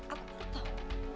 aku enggak tahu